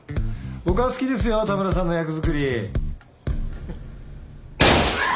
僕は好きですよ田村さんの役作り。